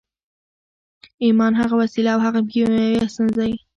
ايمان هغه وسيله او هغه کيمياوي عنصر دی.